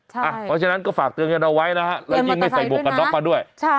เพราะฉะนั้นก็ฝากเตือนกันเอาไว้นะฮะแล้วยิ่งไม่ใส่หมวกกันน็อกมาด้วย